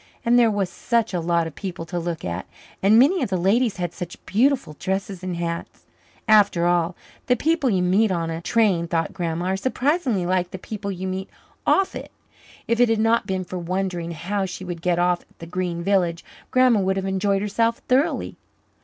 And there was such a lot of people to look at, and many of the ladies had such beautiful dresses and hats. After all, the people you met on a train, thought Grandma, are surprisingly like the people you meet off it. If it had not been for wondering how she would get off at Green Village, Grandma would have enjoyed herself thoroughly.